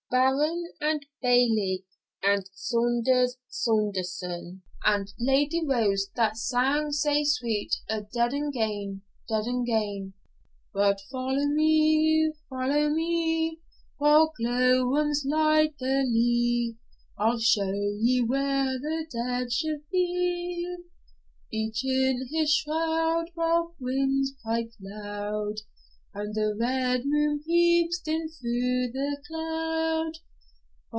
'Baron, and Bailie, and Saunders Saunderson, and Lady Rose that sang sae sweet a' dead and gane dead and gane; But follow, follow me, While glowworms light the lea, I'll show ye where the dead should be Each in his shroud, While winds pipe loud, And the red moon peeps dim through the cloud.